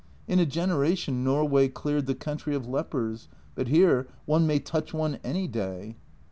In a generation Norway cleared the country of lepers but here one may touch one any day.